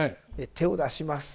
手を出します。